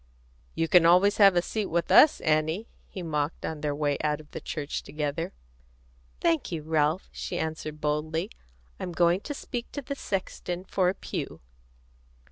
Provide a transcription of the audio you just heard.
"You can always have a seat with us, Annie," he mocked, on their way out of the church together. "Thank you, Ralph," she answered boldly. "I'm going to speak to the sexton for a pew."